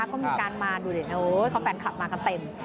ก็มีการมาดูดิเขาแฟนคลับมากันเต็ม